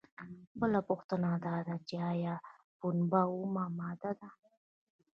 بله پوښتنه دا ده چې ایا پنبه اومه ماده ده؟